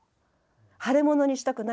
腫れ物にしたくないんです。